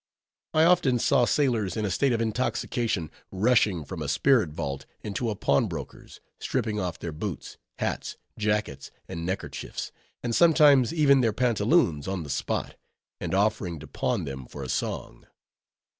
I often saw sailors in a state of intoxication rushing from a spirit vault into a pawnbroker's; stripping off their boots, hats, jackets, and neckerchiefs, and sometimes even their pantaloons on the spot, and offering to pawn them for a song.